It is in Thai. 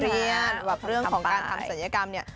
เรียนแบบเรื่องของการทำศัลยกรรมเนี่ย